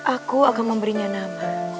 aku akan memberinya nama